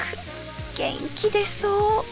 元気出そう。